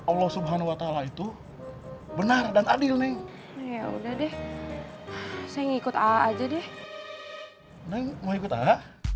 allah subhanahu wa ta'ala itu benar dan adil neng ya udah deh saya ngikut aa aja deh neng mau ikut aa